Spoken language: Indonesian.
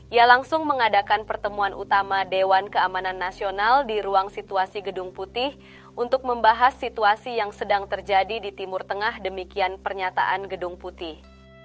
ia langsung mengadakan pertemuan utama dewan keamanan nasional di ruang situasi gedung putih untuk membahas situasi yang sedang terjadi di timur tengah demikian pernyataan gedung putih